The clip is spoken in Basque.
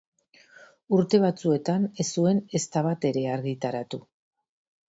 Urte batzuetan ez zuen ezta bat ere argitaratu.